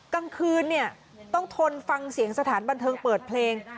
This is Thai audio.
กลางคืนเนี่ยต้องทนฟังเสียงสถานบันเทิงเปิดเพลง